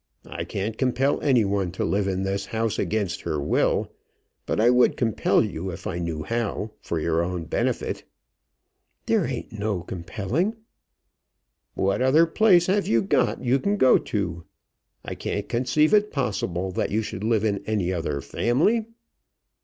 I can't compel any one to live in this house against her will; but I would compel you if I knew how, for your own benefit." "There ain't no compelling." "What other place have you got you can go to? I can't conceive it possible that you should live in any other family."